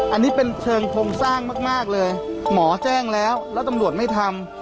อันนี้เป็นเชิงโครงสร้างมากเลยหมอแจ้งแล้วแล้วตำรวจไม่ทำ